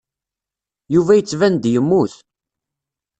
Yuba yettban-d yemmut.